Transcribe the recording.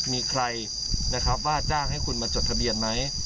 มีใครนะครับว่าจ้างให้คุณมาจดทะเบียนไหม